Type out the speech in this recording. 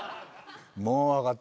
もう分かった。